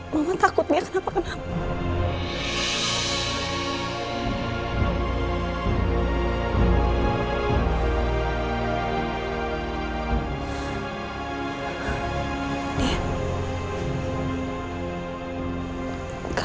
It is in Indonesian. mama takut dia kenapa kenapa